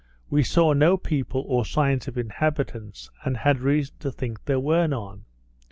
We saw no people, or signs of inhabitants; and had reason to think there were none.